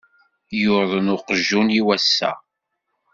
Yuḍen uqjun-iw ass-a.